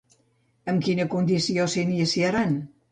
Amb quina condició s'iniciaran?